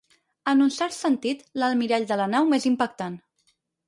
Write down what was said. En un cert sentit, l'almirall de la nau més impactant.